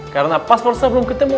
karena pasporsenya belum ketemu